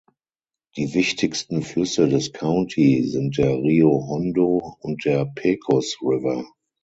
Die wichtigsten Flüsse des County sind der Rio Hondo und der Pecos River.